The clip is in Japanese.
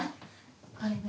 これね